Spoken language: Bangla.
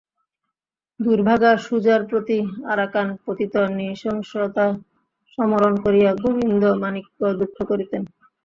দুর্ভাগা সুজার প্রতি আরাকান-পতির নৃশংসতা সমরণ করিয়া গোবিন্দমাণিক্য দুঃখ করিতেন।